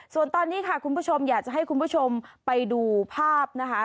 ส่วนตอนนี้ค่ะคุณผู้ชมอยากจะให้คุณผู้ชมไปดูภาพนะคะ